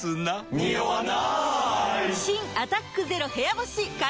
ニオわない！